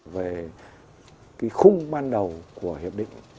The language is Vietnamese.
về cái khung ban đầu của hiệp định